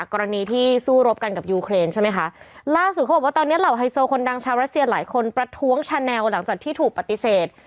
กรณีที่สู้รบกันกับยูเครนใช่ไหมคะล่าสุดเขาบอกว่าตอนเนี้ยเหล่าไฮโซคนดังชาวรัสเซียหลายคนประท้วงชาแนลหลังจากที่ถูกปฏิเสธ